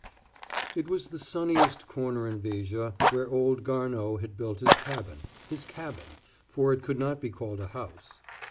IT was the sunniest corner in Viger where old Garnaud had built his cabin,—his cabin, for it could not be called a house.